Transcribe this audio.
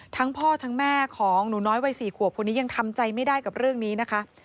ทั้งพ่อทั้งแม่ของหนูน้อยวัย๔ขวบคนนี้ยังทำใจไม่ได้กับเรื่องนี้นะคะ